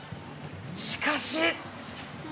しかし。